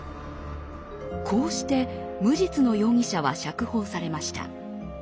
こうして無実の容疑者は釈放されました。